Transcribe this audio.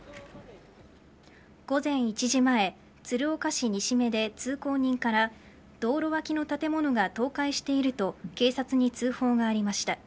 午前１時前、鶴岡市西目で通行人から道路脇の建物が倒壊していると警察に通報がありました。